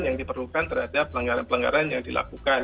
yang diperlukan terhadap pelanggaran pelanggaran yang dilakukan